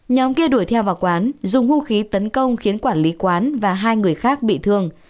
nhóm kia đuổi theo vào quán dùng hung khí tấn công khiến quản lý quán và hai người khác bị thương